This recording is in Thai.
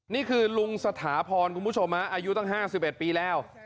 นี่คือลุงสถาพรคุณผู้ชมอายุตั้ง๕๑ปีแล้ว